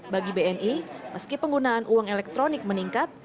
bagi bni meski penggunaan uang elektronik meningkat